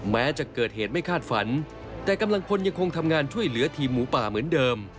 แม้จะเกิดเหตุไม่คาดฝันแต่กำลังพลยังคงทำงานช่วยเหลือทีมหมูป่าเหมือนเดิม